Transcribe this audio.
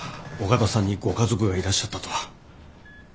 尾形さんにご家族がいらっしゃったとは。